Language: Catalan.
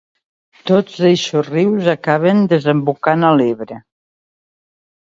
Tots eixos rius acaben desembocant a l'Ebre.